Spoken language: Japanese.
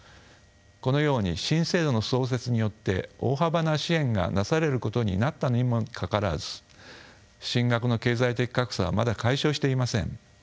このように新制度の創設によって大幅な支援がなされることになったにもかかわらず進学の経済的格差はまだ解消していません。